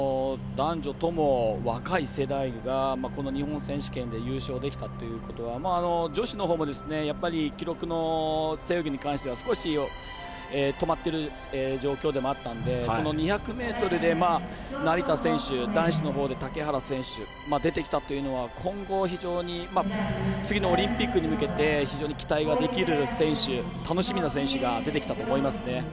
男女とも若い世代がこの日本選手権で優勝できたということは女子のほうもやっぱり記録の背泳ぎに関しては少し止まっている状況でもあったのでこの２００ｍで成田選手男子のほうで竹原選手出てきたというのは今後非常に次のオリンピックに向けて非常に期待ができる楽しみな選手が出てきたと思いますね。